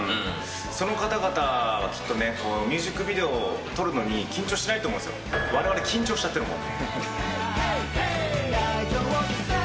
その方々はきっとね、ミュージックビデオを撮るのに緊張しないと思うんですけど、われわれ、緊張しちゃってるもん。